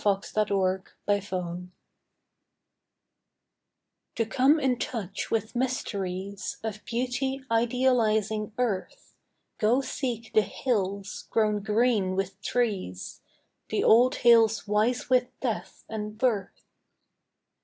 THE HIGHER BROTHERHOOD To come in touch with mysteries Of beauty idealizing Earth, Go seek the hills, grown green with trees, The old hills wise with death and birth.